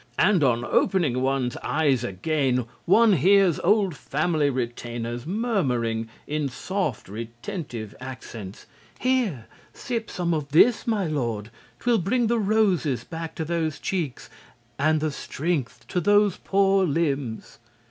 And on opening one's eyes again, one hears old family retainers murmuring in soft retentive accents: "Here, sip some of this, my lord; 'twill bring the roses back to those cheeks and the strength to those poor limbs."